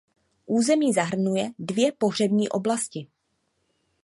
Území zahrnuje dvě pohřební oblasti.